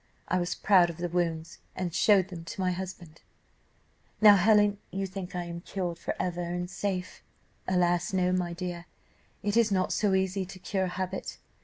I was proud of the wounds, and showed them to my husband. Now, Helen, you think I am cured for ever, and safe. Alas! no, my dear, it is not so easy to cure habit.